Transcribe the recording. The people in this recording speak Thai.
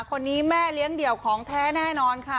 คนนี้แม่เลี้ยงเดี่ยวของแท้แน่นอนค่ะ